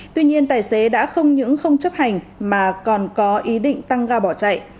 tuy nhiên tài xế đã không những không chấp hành mà còn có ý định tăng ga bỏ chạy